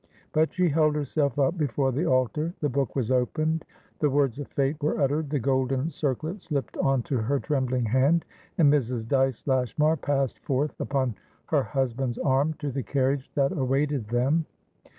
But she held herself up before the altar. The book was opened; the words of fate were uttered; the golden circlet slipped onto her trembling hand; and Mrs. Dyce Lashmar passed forth upon her husband's arm to the carriage that awaited them.